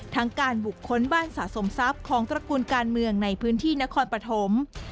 การบุคคลบ้านสะสมทรัพย์ของตระกูลการเมืองในพื้นที่นครปฐม